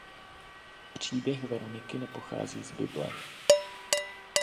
Příběh Veroniky nepochází z bible.